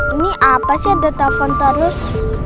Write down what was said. ini apa sih ada telepon terus